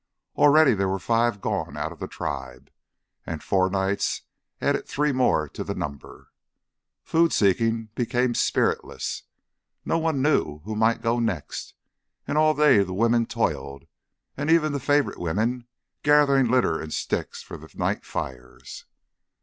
Already there were five gone out of the tribe, and four nights added three more to the number. Food seeking became spiritless, none knew who might go next, and all day the women toiled, even the favourite women, gathering litter and sticks for the night fires.